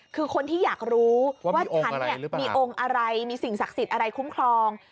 คือคนที่อยากรู้ว่าฉันมีองค์อะไรมีสิ่งศักดิ์สิทธิ์อะไรคุ้มครอง